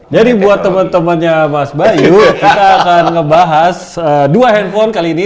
jadi buat temen temennya mas bayu kita akan ngebahas dua handphone kali ini